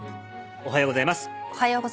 おはようございます。